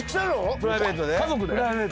プライベートで。